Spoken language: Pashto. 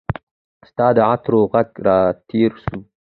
ستا د عطرو ږغ راتیر سو